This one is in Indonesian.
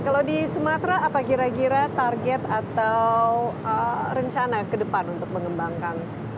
kalau di sumatera apa kira kira target atau rencana ke depan untuk mengembangkan